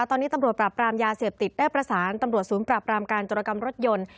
ตอนนี้ตำรวจปราบปรามยาเสพติดได้ประสานตำรวจศูนย์ปราบรามการจรกรรมรถยนต์